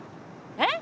えっ？